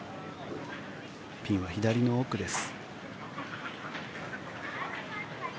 ピンは左の奥です。